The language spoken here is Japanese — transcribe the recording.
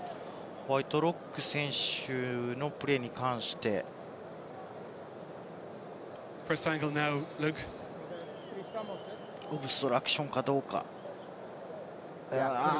ホワイトロック選手のプレーに関して、オブストラクションかどうか。